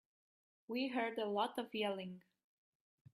We heard a lot of yelling.